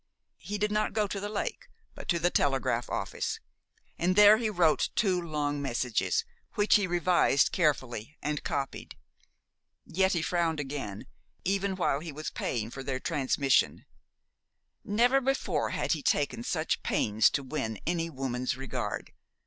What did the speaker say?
He did not go to the lake, but to the telegraph office, and there he wrote two long messages, which he revised carefully, and copied. Yet he frowned again, even while he was paying for their transmission. Never before had he taken such pains to win any woman's regard.